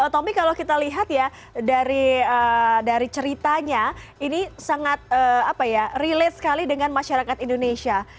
tommy kalau kita lihat ya dari ceritanya ini sangat relate sekali dengan masyarakat indonesia